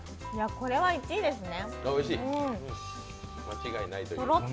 これは１位ですね。